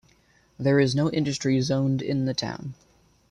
There is no industry zoned in the town.